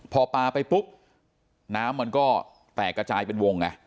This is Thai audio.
พอปลาไปปุ๊บน้ำมันก็แตกกระจายเป็นวงไง